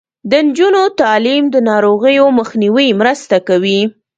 د نجونو تعلیم د ناروغیو مخنیوي مرسته کوي.